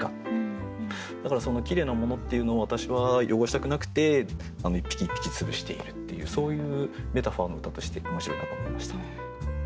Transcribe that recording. だからきれいなものっていうのを私は汚したくなくて一匹一匹つぶしているっていうそういうメタファーの歌として面白いなと思いました。